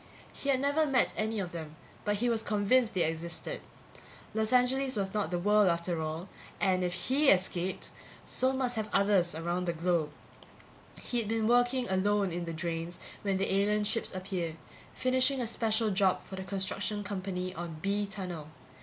He had never met any of them, but he was convinced they existed. Los Angeles was not the world, after all, and if he escaped so must have others around the globe. He'd been working alone in the drains when the alien ships appeared, finishing a special job for the construction company on B tunnel.